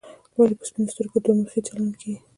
ولې په سپینو سترګو دوه مخي چلن کېږي.